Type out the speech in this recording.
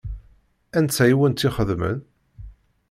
Anta i wen-tt-ixedmen?